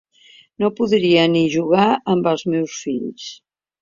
No podria ni jugar amb els meus fills.